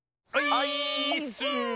オイーッス！